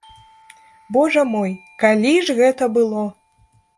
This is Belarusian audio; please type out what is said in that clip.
Божа мой, калі ж гэта было!